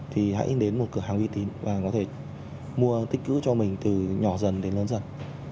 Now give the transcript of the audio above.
thì hãy đến một cửa hàng uy tín và có thể mua tích cứ cho mình từ nhỏ dần đến lớn dần